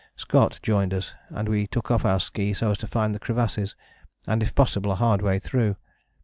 Scott joined us, and we took off our ski so as to find the crevasses, and if possible a hard way through.